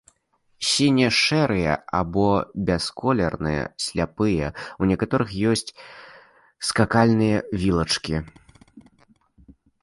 Сіне-шэрыя або бясколерныя, сляпыя, у некаторых ёсць скакальныя вілачкі.